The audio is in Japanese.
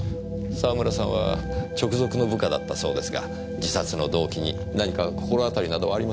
沢村さんは直属の部下だったそうですが自殺の動機に何か心当たりなどはありませんか？